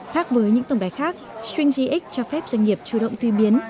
khác với những tổng đài khác stringgx cho phép doanh nghiệp chủ động tuy biến